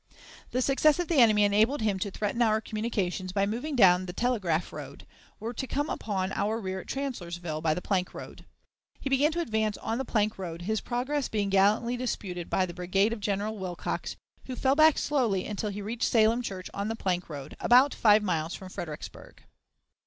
The success of the enemy enabled him to threaten our communications by moving down the Telegraph road, or to come upon our rear at Chancellorsville by the plank road. He began to advance on the plank road, his progress being gallantly disputed by the brigade of General Wilcox, who fell back slowly until he reached Salem Church on the plank road, about five miles from Fredericksburg.